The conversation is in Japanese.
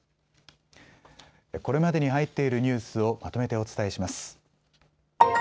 これまでに入っているニュースをまとめてお伝えします。